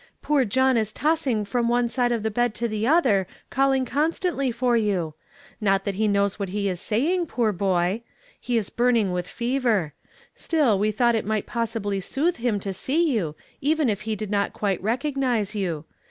Poor John is tossing from one side of the bed to the otlier, calling constantly for you. Not that he knows wiuit he is saying, poor boy! lie is burn ing with fever. Still, we tliought it might pos sibly soothe him to see you, even if he did not quite recognize you.